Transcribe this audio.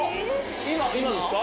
今ですか？